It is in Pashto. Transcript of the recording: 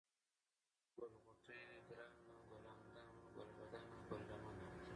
ګل غوټۍ ، گرانه ، گل اندامه ، گلبدنه ، گل لمنه ،